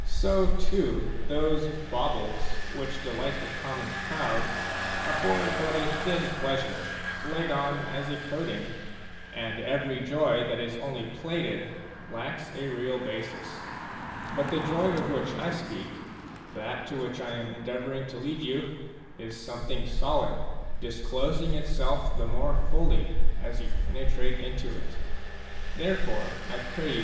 So too those baubles which delight the common crowd afford but a thin pleasure, laid on as a coating, and every joy that is only plated lacks a real basis. But the joy of which I speak, that to which I am endeavouring to lead you, is something solid, dis m 161 igitizQd^jp CK THE EPISTLES OF SENECA 6 et quod plus pateat introrsus.